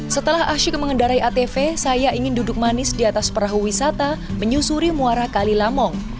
setelah asyik mengendarai atv saya ingin duduk manis di atas perahu wisata menyusuri muara kalilamong